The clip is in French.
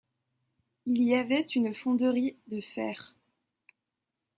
Il y avait une fonderie de fer.